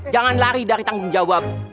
jangan lari dari tanggung jawab